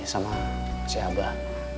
sama si abah